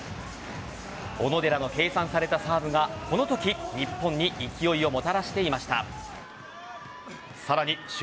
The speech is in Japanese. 小野寺の計算されたサーブがこのとき日本に勢いをもたらしていました。